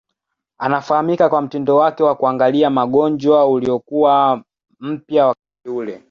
Anafahamika kwa mtindo wake wa kuangalia magonjwa uliokuwa mpya wakati ule.